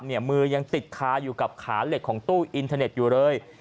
มือยังติดคาอยู่กับขาเหล็กของตู้อินเทอร์เน็ตอยู่เลย